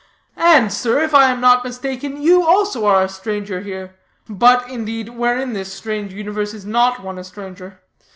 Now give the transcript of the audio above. And, sir, if I am not mistaken, you also are a stranger here (but, indeed, where in this strange universe is not one a stranger?)